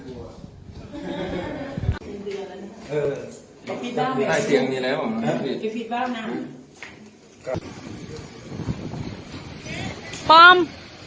โปรดติดตามตอนต่อไป